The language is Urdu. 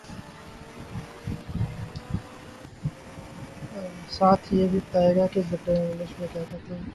ساتھ یہ بھی بتائیے کہ گٹکے کو انگلش میں کیا کہتے ہیں